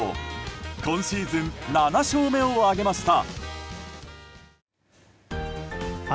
今シーズン７勝目を挙げました。